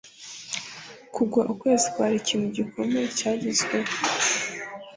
Kugwa ukwezi kwari ikintu gikomeye cyagezweho.